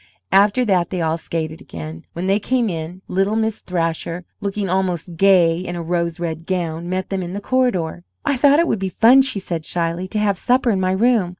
After that they all skated again. When they came in, little Miss Thrasher, looking almost gay in a rose red gown, met them in the corridor. "I thought it would be fun," she said, shyly, "to have supper in my room.